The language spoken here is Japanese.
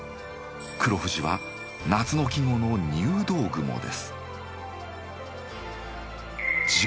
黒富士は夏の季語の入道雲です。